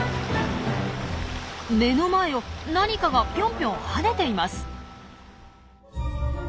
目の前を何かがピョンピョン跳ねています。